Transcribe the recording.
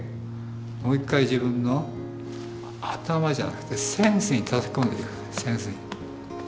もう一回自分の頭じゃなくてセンスにたたき込んで下さいセンスに。